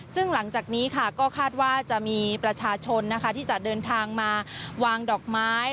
ซึ่งหลังจากนี้ค่ะก็คาดว่าจะมีประชาชนนะคะที่จะเดินทางมาวางดอกไม้